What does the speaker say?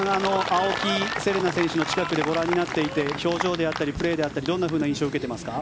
青木瀬令奈選手の近くでご覧になっていて表情であったリプレーであったりどんな印象を受けていますか？